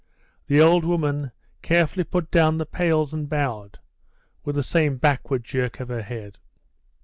The old woman carefully put down the pails and bowed, with the same backward jerk of her head.